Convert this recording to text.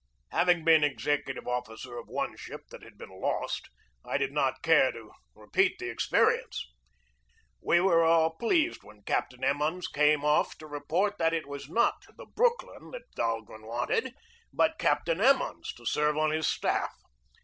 Having been executive officer of one ship that had been lost, I did not care to repeat the experi ence. We were all pleased when Captain Emmons came off to report that it was not the Brooklyn that Dahlgren wanted, but Captain Emmons to serve on his staff.